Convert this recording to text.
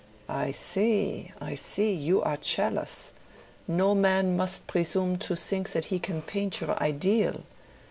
"I see, I see. You are jealous. No man must presume to think that he can paint your ideal.